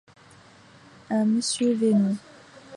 Un monsieur Venot.